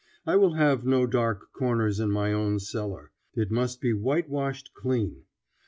I will have no dark corners in my own cellar; it must be whitewashed clean.